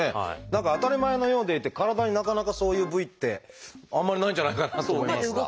何か当たり前のようでいて体になかなかそういう部位ってあんまりないんじゃないかなと思いますが。